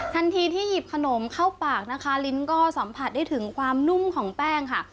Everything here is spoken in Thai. ทันทีที่หยิบขนมเข้าปากนะคะลิ้นก็สัมผัสได้ถึงความนุ่มของแป้งค่ะ